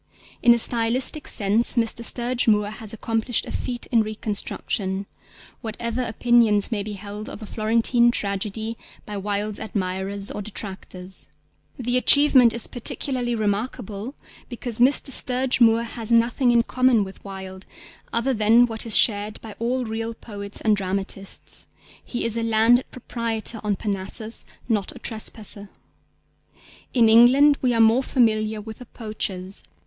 In a stylistic sense Mr. Sturge Moore has accomplished a feat in reconstruction, whatever opinions may be held of A Florentine Tragedy by Wilde's admirers or detractors. The achievement is particularly remarkable because Mr. Sturge Moore has nothing in common with Wilde other than what is shared by all real poets and dramatists: He is a landed proprietor on Parnassus, not a trespasser. In England we are more familiar with the poachers.